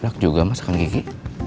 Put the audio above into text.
enak juga masakan gigi